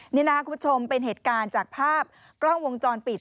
นี่นะครับคุณผู้ชมเป็นเหตุการณ์จากภาพกล้องวงจรปิด